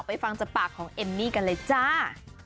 ฟังจากปากของเอมมี่กันเลยจ้า